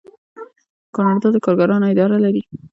کاناډا د کارګرانو اداره لري.